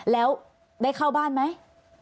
แล้วได้เข้าบ้านไหม